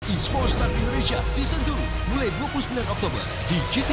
ismo star indonesia season dua mulai dua puluh sembilan oktober di gtv